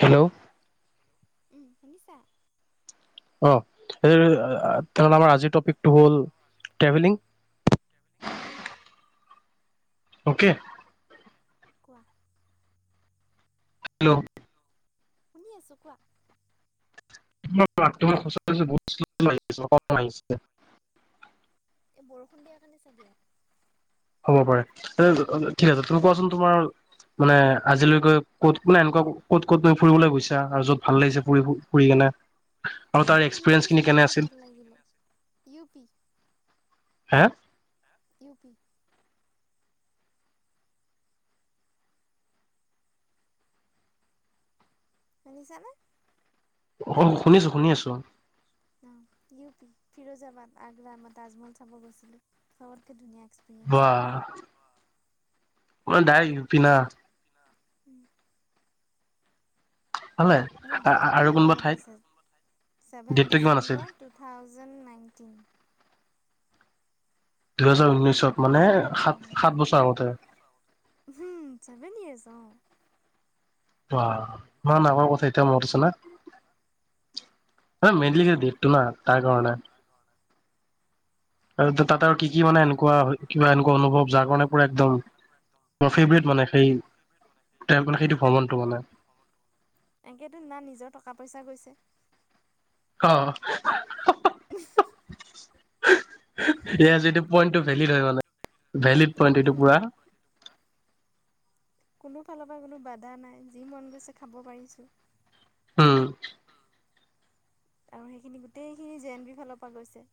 Hello. শুনিছাঁ? অ'। তেনেহলে আমাৰ আজিৰ টপিকটো হ'ল ট্ৰেভেলিং। উম অ'কে। কোৱা? হেল্ল'। শুনি আছোঁ কোৱা। তোমাৰ মাতটো মই সচাঁ ই কৈছো বহুত শ্ল' আহিছে কম আহিছে। এই বৰষুণ দিয়া কাৰণে চাগে। হ'ব পাৰে, ঠিক আছে তুমি কোৱাচোন? তোমাৰ মানে আজিলৈকে ক'তো এনেকুৱা ক'ত ক'ত তুমি ফুৰিবলৈ গৈছা আৰু য'ত ভাল লাগিছে ফু ফুৰি কিনে আৰু তাৰ মোৰ ইউ পি এক্সপিৰিয়েঞ্চ খিনি কেনে চবতকে আছিল? ভাল লাগিলে ইউ পি হে ইউ পি শুনিছা নে? অ শুনিছো, শুনি আছো। অ, ইউ পি, ফিৰোজাবাদ, আগ্ৰা মই তাজমহল চাব গৈছিলো, চবতকে ধুনীয়া এক্সপিৰিয়েঞ্চ ৱাহ। [unintelligible] দাইৰেক ইউপি না উম। ভালে মোৰ আৰু দেটটোও কোনোবা মনত ঠাইত আছে, চেভেন ডেটটো কিমান আছিল December two thousand nine tin. দুহাজাৰ ঊন্নৈছত? মানে সাত সাত বছৰ আগতে। উম ছেভেন ইয়োৰছ অ। বা ইমান আগৰ কথা এতিয়া মনত আছে না আৰে মেইলি ডেটতো না তাৰ কাৰণে। আৰু তাত আৰু কি কি মানে এনেকুৱা কিবা এনেকুৱা অনুভৱ যাৰ কাৰণে পুৰা একদম ফেভৰেট মানে সেই মানে সেইটো ভ্ৰমণটো মানে। এনেকেতো না নিজৰ টকা পইচা গৈছে। অ। [unintelligible] সেয়া যিটো পইণ্টটো ভেলিড হয় মানে। ভেলিড পইণ্ট এইটো পুৰা কোনো ফালৰ পৰা কোনো বাধা নাই যি মন গৈছে খাব পাৰিছোঁ। [unintelligible] আৰু সেইখিনি গোটেইখিনি জে এন বি ফালৰ পৰা গৈছে।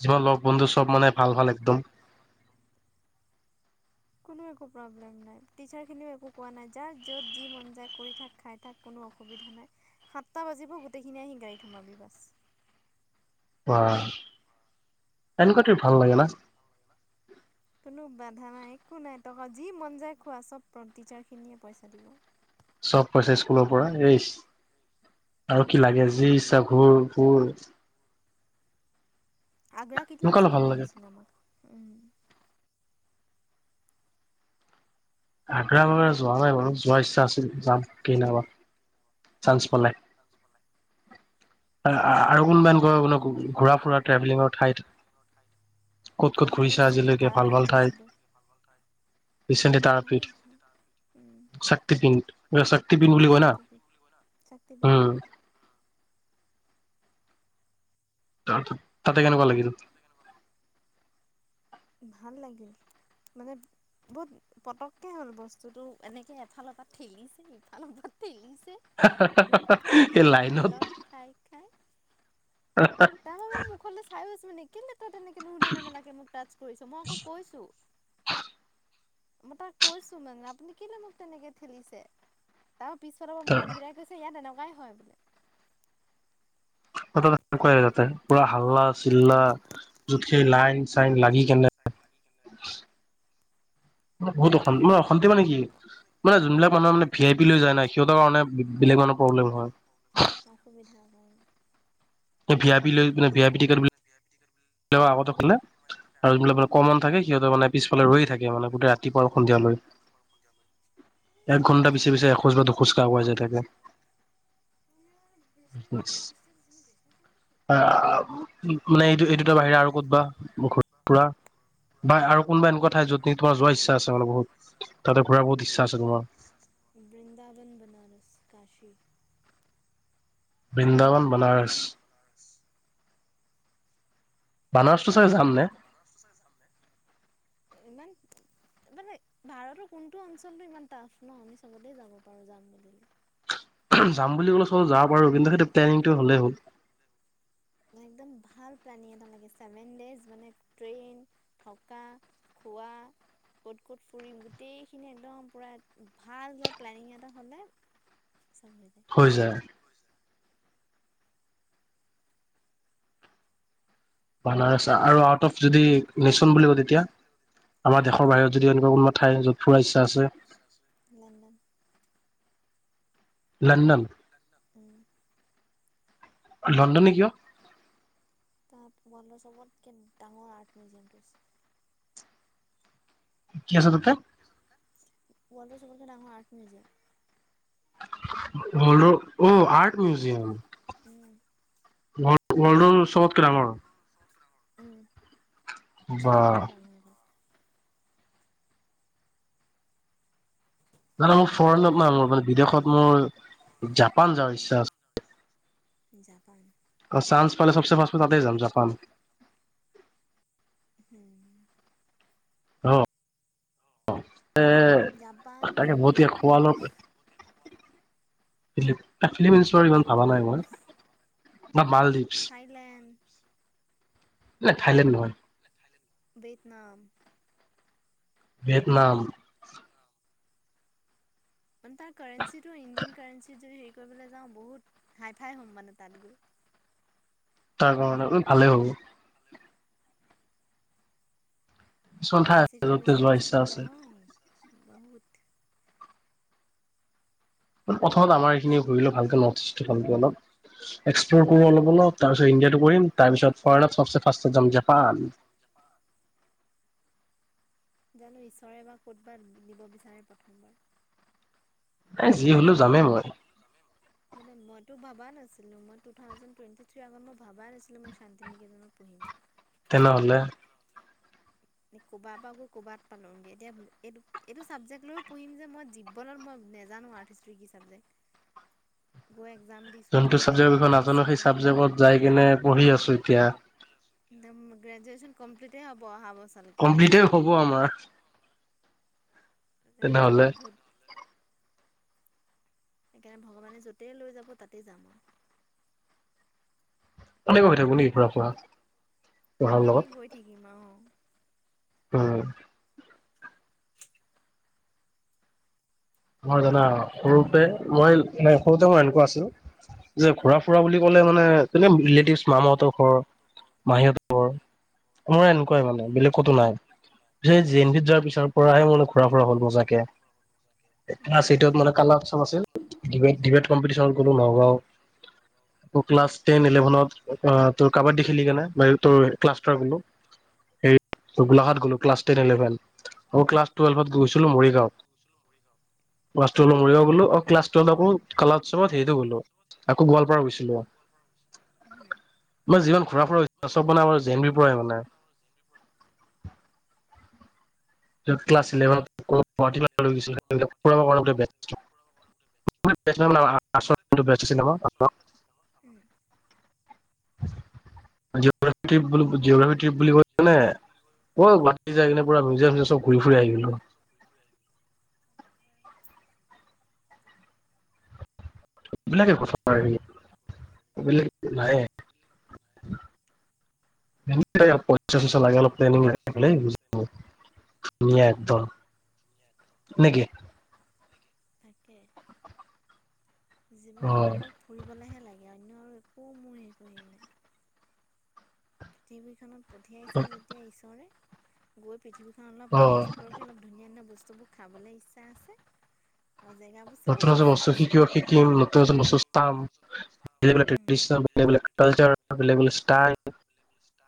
যিমান লগ বন্ধু চব মানে ভাল ভাল একদম। কোনো নাই টিচাৰখিনিও একো কোৱা নাই যাৰ যত যি মন যায় থাক খাই থাক কোনো অসুবিধা নাই সাতটা বাজিব গোটেইখিনি আহি গাড়ীত সোমাবি বাছ। অ এনেকুৱাটো ভাল লাগে ন। কোনো বাধা নাই একো নাই টকা যি মন যায় খোৱা চব টিচাৰ খিনিয়ে পইচা দিব। চব পাইছে স্কুলৰ পৰা এই আৰু কি লাগে যি ইচ্ছা ঘুৰ ফুৰ আগ্ৰা এনেকুৱা কিটাও অলপ ভাল চাবলৈ লাগে নিছিল বাও। আগ্ৰা ভাগা যোৱা নাই মানু যোৱাৰ ইচ্ছা আছিল যাম কেইনাাবা। চাঞ্চ পালে। আৰু কোনোবা কয় আপোন ঘূৰা ফুৰা ট্ৰেভেলিঙৰ ঠাইত ক'ত ক'ত আমাৰ ঘূৰিছা ৰিচেণ্টলি আজিলৈকে ভাল তাৰাপীঠ ভাল গৈছিলোঁ ঠাইত ৰিচেণ্টলি ভাল তাৰপিঠ ভাল শিপিণ্ শক্তিপিণ্ বুলি কয় না। ছাতি বেলু উম তাৰ তাতে কেনেকুৱা লাগিল? ভাল লাগিল মানে বহুত পতককে হ'ল বস্তুতটো এনেকে এফালৰ পৰা ঠেলিছে ইফালৰপ ঠেলিছে। দুই ফালৰ পৰা এই লাইন ঠেলন ডাঙৰ ৰুম মূখলে চাইও আছ নেকে ই তেনেকে নুধ নে মেলাকে মোক টাচ কৰিছ মই আকৌ কৈছো। মই তাক কৈছো মানে আপুনি কিলৈ মোক তেনেকে ঠেলিছে? ত পিছৰ পৰা মোক অংগীতাই কৈছে ইয়াত এনেকুৱা লগাই হয় বোলে। অ কৰা য ৱাহ! হাল্লা চিল্লা উম যুত সেই লাইন চাইন লাগি কেনে বহুত অান্তি মান অশান্তি মানে কি মানে যোনবিলাক মানুহৰ মানে ভি আই পি লৈ যায় নাই সিহঁতৰ কাৰণে বেলেগ মানুহৰ প্ৰব্লেম হয়। অসুবিধা কৰ ভি আ পি লৈ ভি আ পি টিকট আগতে খলে আৰু যবিলাক ব কমন থাকে। সিহঁতে মানে পিছফালে ৰৈে থাকে মানে গোটেই ৰাতিপুৱা আৰু সন্ধিয়াালৈ এক ঘন্টা পিছে পিছে এখোজ বা দু খোজ কাগুৱাই যায় থাকে। আহ মানে এইটো এইটো তাৰ বাহিৰে আৰু ক'তবা ঘ ফুৰা মানে বহুত তাতে ঘূৰা বহুত ইচ্ছা আছে তোমাৰ [inaudible] বৃন্দাবন বনাৰস কাশী। বৃন্দাৱন বনাৰস। বানাৰসটো চাগে যাম। নে [inaudible] ইমান মানে ভাৰতৰ কোনটো অঞ্চলটো ইমান টাফ নহয় আমি চবতে যাব পাৰো যাম বুলিলে। যাম বুলি ক'লে চব যাব পাৰো কিন্তু সেইটো প্লেনিংটো হ'লেই হ'ল। মানে একদম ভাল প্লেনিং এটা লাগে, ছেভেন ডেইজ মানে ট্ৰেইন, থকা, খোৱা, ক'ত ক'ত ফুৰিম গোটেইখিনি একদম পূৰা ভাল ভ প্লেনিং এটা হ'লে হৈ যায় [inaudible] বনাৰস আৰু আউট অফ যদি নেশচন বুলি কওঁ তেতিয়া আমাৰ দেশৰ লণ্ডন বাহিৰত যদি এনেকুৱা কোনোবা ঠাই য'ত ফুৰা ইচ্ছা আছে? London London? উম। লণ্ডনে কিয়? তাত চবতকে ডাঙৰ আৰ্ট মিউজিয়ামটো আছে। কি আচলতে ৱৰ্ল্ডৰ চবতকে ডাঙৰ আৰ্ট মিউজিয়াম। অ ৰহ, অহ আৰ্ট মিউজিয়াম উম ৱৰ্ল্ডৰ, ৱৰ্ল্ডৰ চবতকে ডাঙৰ উম বা চবতকে ডাঙৰ নাই মানে অ মোৰ তাতে ফৰেনত নাই, আছে মোৰ মানে বিদেশত মোৰ জাপান যোৱাৰ ইচ্ছা আছে। জাপান অহ চান্স পালে চবছে ফাৰ্ষ্ট তাতে যাম, জাপান। হম অহ, অ এ জাপান তাকে বহুত খোৱা ফিলিপিনছ [unintelligible] ফিলিম ষ্টৰী ইমান ভাবা নাই মলদ্বীপ, মই, নহ মালদ্বীপছ থাইলেণ্ড, না থাইলেণ্ড নহয়। ভিতনাম ভিতনাম তাৰ কাৰেঞ্চিত এইটো ইণ্ডিয়ান কাৰাৰেঞ্চি যদি ই কৰিবলৈ যাওঁ বহুত, হাই ফাই হ'ম মানে তাত গৈ। তাৰ কাৰণে [unintelligible] ভালেই হব। কিছুমান ঠাই আছে কেমিষ্ট্ৰিতকে য'তে বেছি যোৱাৰ ইচ্ছা বস্তু, আছে। অ', বহুত। প্ৰথমত আমাৰ এইখিনি ঘূৰি লওঁ ভালকে নৰ্থ ইষ্ট ভালকে অলপ এক্স কৰোঁ অলপ, অলপ তাৰপিছত ইণ্ডিয়াটো কৰিম, তাৰপিছত ফৰেনত চব চে, ফাষ্টত যাম জাপান। জানো ঈশ্বৰে বা ক'তবা নিব বিচাৰে প্ৰথমবাৰ! এ যি হলেও যামেই মই। মানে মইতো ভাবাই নাছিলো, মই টু ঠাউজেন টুৱেন্টি থ্ৰিত ম-মই ভাবাই নাছিলো মই শান্তিনী কীৰ্ত্তনো পঢ়িম। তেনেহ'লে ক'বাপা গৈ ক'বাত পালোগে। এতিয়া এট-এটো চাবজেক্ট লৈও পঢ়িম যে, মই জীৱনত মই নেজানো আৰ্থ হিষ্ট্ৰি কি চাবজেক্ট। গৈ এক যোনটো চাবজেক্ট বিষয়ে নাজানো, সেই চাবজেক্টত যাই কিনে পঢ়ি আছো এতিয়া। গ্ৰেজুৱেচন কমপ্লিটে হব অহা ব কমপ্লিতে হ'ব আমাৰ। এ বৰ তেনেহলে অদ্ভুত। সেইকাৰণে ভগৱানে য'তেই লৈ যাব, তাতেই যাম আৰু। এনেকৈ গৈ থাকো নেকি ফুৰা-কৰা, পঢ়াৰ এনেকেই গৈ লগত? থাকিম আৰু উম। মই জানা, সৰুপে, মই মানে সৰুতে মই এনেকুৱা আছিলো যে ঘুৰা-ফুৰা বুলি ক'লে মানে এনে ৰিলেটিভচ মামাহঁতৰ ঘৰ, মাহীতৰ ঘৰ। মই এনেকুৱাই মানে বেলেগ ক'তো নাই। হে জে এন ভিত যোৱাৰ পিছৰ পৰাহে মই ঘুৰা-ফুৰা হ'ল মজাকে। ক্লচ য়েইটত মানে কালাৰ অপচন আছিল [unintelligible] ক্লাছ টেন-ইলেভেনত অ', তোৰ কাবা্ডী খেলি কেনে তোৰ ক্লাষ্টাৰ গ'লো। হেইত গোলাঘাট গ'লো ক্লাছ টেন-ইলেভেন। মই ক্লাছ টেলভত গৈছিলো মৰিগাঁও। ক্লাছ টুৱেল্ভত মৰিগাঁও গ'লো আৰু [unintelligible] আকৌ গোৱালপাৰা গৈছিলোঁ, মই যিমান ঘূৰা-ফুৰা চব মানে আমাৰ জেনবিৰ পৰাই মানে। টো ক্লাচ ইলেভেনত অলপ গুৱাহাটীৰ পৰা লৈ গৈছিলে এইবিলাক লগ কৰাওঁতে ব্যস্ত, [unintelligible] [unintelligible] ট্ৰিপ বোলো জিঅগ্ৰাফি ট্ৰিপ বুলি কৈ কিনে ঐ গুৱাহাটী যাই কিনে পৰা মিউজিয়াম [unintelligible] চব ঘূৰি-ফুৰি আহি গ'লো। এইবিলাকে কথা এইবিলাক নায়ে [unintelligible] [unintelligible] অলপ তেলো মাৰি পেলাই গুচি আহো, [unintelligible] নেকি? তাকে। অ জীৱনত অকল ফুৰিবলেহে লাগ অন্য আৰু একো মই হেৰি নাই। পৃথিৱীখনত অ পঠিয়াইছে যেতিয়া ঈশ্বৰে বহুত পৃথিৱখন অলপ এক্সপ্লৰকে অলপ ধুনীয়া-ধুনীয়া বস্ তু বোৰ খাবলে ইচ্ছা আছে। আৰু জেগাবোৰ চাবলৈ নতুন-নতুন ইচ্ছা বস্তু আছে। শিকিও শিকিম, নতুন-নতুন বস্তু চাম। [inaudible] বেলেগ- বেলেগ উম। ট্ৰেডিচন, বেলেগ-বেলেগ কালচাৰ, বেলেগ- বেলেগ চি [unintelligible]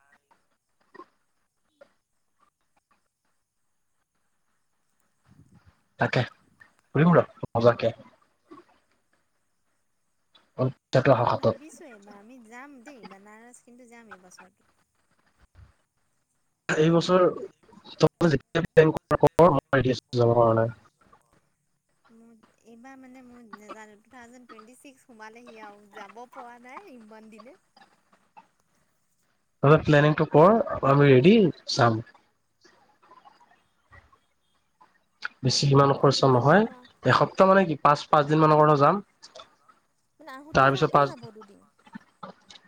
অকে [unintelligible] অ মই ভাবিছো এইবাৰ আমি যাম দেই বানাৰস কিন্তু যাম এইবছৰ এই বছৰ [unintelligible] আইডিয়াচ যাব কাৰণে এইবাৰ মানে মই নাজানো টু থাউজে টুৱেণ্টি চিক্স সোমালেহি আৰু যাব পৰা নাই ইমান দিনে তহতে প্লানিংটো কৰ আমি ৰেডি চাম [unintelligible] বেছি ইমান এইটো খৰচা জুন নহয় মাহ এসপ্তাহ মানে কি পাঁচ পাঁচ দিন মানৰ কাৰণে যাম আহোতে তাৰ পিছত যাওঁতেই পাঁচ যাব দুদিন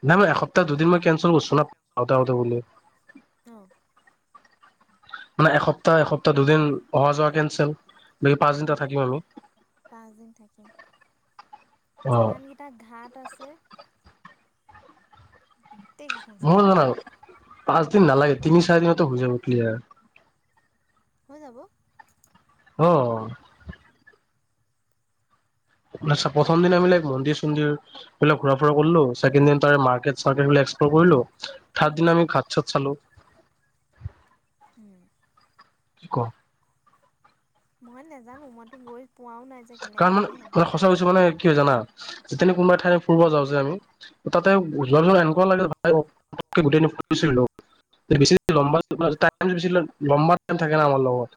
নাই নাই এসপ তা দুদিন মই কেনঞ্চেল কৰছো না আউতে আউতে বুলি অঁ মানে এসপ্তাহ এসপ্তাহ দুদিন অহা যোৱা কেনচেল বে পাঁচদিন তাত উম। থাকিম আৰু যিমানগিটা ঘাট আছে গোটেই গিখন চাম মোৰ জানা পাঁচ দিন নালাগে, তিনি-চাৰি দিনত ত' হৈ যাব ক্লিয়াৰ। হৈ যাব। অহ। আচ্ছা, প্ৰথম দিনা আমি লাইক মন্দিৰ-চন্দিৰ বিলাক ঘূৰা ফূৰা কৰলো, চেকেণ্ড দিন তাৰ মাৰ্কেট- চাৰ্কেট বিলাক এক্সফ্লৰ কৰিলো, থাৰ্ড উম দিনা আমি ঘাট-চাট চালো। উম কি ক'? মই নেজানো, মইতো গৈ পোৱাও নাই যে কাৰণ কেনেকে কি হ'ব। মানে সঁচা কৈছোঁ মানে কি হয় জানা? যেতেনি কোনবাই ঠাই ফুৰব যাওঁ যে আমি তাতে যোৱা পিছত এনেকুৱা লাগে [unintelligible] [unintelligible] লম্বা টাইম থাকে না আমাৰ লগত।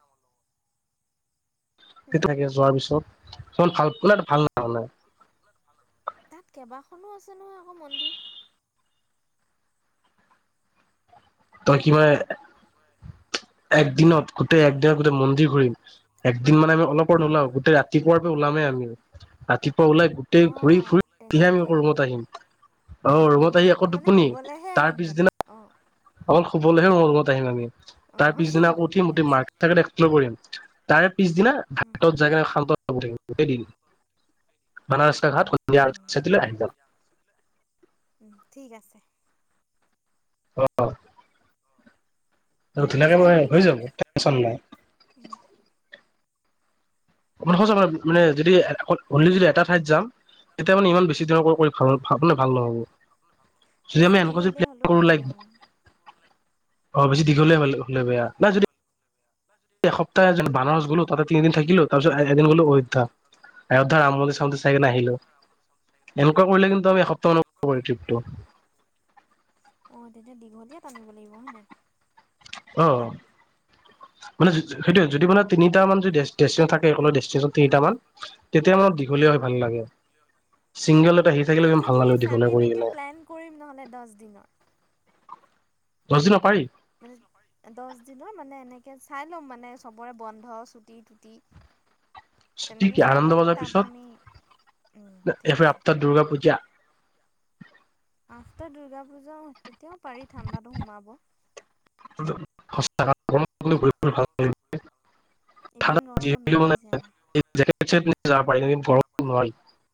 উম থাকে যোৱাৰ পিছত, ইমান ভাল [unintelligible] ভাল হয়। তাত কেইবাখনো আছে নহয় আকৌ মন্দিৰ তই কিবা হয় এক দিনত গোটেই এক দিনত গোটেই মন্দিৰ ঘূৰিম এক দুদিন মানে আমি অলপ নলাওঁ গোতেই ৰাতিপুৱাৰ পুৱাৰ ওলাম ওম ৰাতি ওলাই গোটেই ঘূৰি অ' ফুৰিহে আমি তেনেকে আকৌ ৰুমত আহিম অ ৰুমত আহি আকৌ অকল মানে টোপনি শুবলেহে তাৰ আহিম মানে পিছদিনা অ'। অকল শুবলৈহে মোৰ ৰুমত আহিম আমি তাৰ পিছদিনা অ' আকৌ উঠিম ঠিক আছে। ৰ্মাৰ্কেট [unintelligible] কৰিম তাৰ পিছদিনা উম। ভাৰত যায় কাৰ শান্ত গোটেই দিন উম। মানৰ উম, ঠিক আছে [unintelligible] অ তেন্তে ধুনীয়াকে মই হৈ চাৰিদিনে ন? যাব টেনচন নাই উম, [unintelligible] মানে যদি গধূিল যদি এটা ঠাইত যাম এতিয়া মানে ইমান বেছিদিনৰ ভাল মে ভাল নহব যদি বেছি আমি এনেুৱা যদি দীঘলীয়া হ'লেও বেয়া প্লেন অ'। অ বেছি দিঘলীয়া হলে লু বেয়া না যদি এসপ্তাহ বানাৰছ গলো তাতেতিদিন থাকিলো তাৰ পিছত এদিন গলো অয়োধ্য অয়োধ্যা ৰাধা [unintelligible] চাইনে আহিলো এনেকুৱা কৰিলে কিন্তু আমি এসপ্তাহ অনুৱ কৰি্ অ' [unintelligible] তেতিয়া দীঘলীয়া টানিব লাগিব হয়নে অ মানে সেইটো যদি মানে তিনিট মান য থাকে দেইচটেচন তিনিট মান তেতিয়া মানে উম, দীঘলীয়া হৈ ভাল লাগে চিংগল এটা আহি থাকিলে তেন্তে ভাল ঠিক নালাগে আছে আমি দীঘলীয়া কৰি এনেকে কিনে প্লেন কৰিম নহ'লে দহ দিনৰ। দছদিনৰ পাৰি মানে দহ দিনৰ মানে এনেকে চাই ল'ম মানে চবৰে বন্ধ চুটি তুটি সতি আনন্দ বজাৰ উম পিছত ঠিক এফ আছে আপ্তাৰ দুূৰ্গা পূজা আফটা দুৰ্গা পূজা ম তেতিয়া পাৰি ঠাণ্ডাতো সোমাব ইমান গৰমত [unintelligible] নোৱাৰি যে আমাৰ [unintelligible]